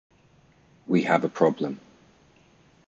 We have a problem.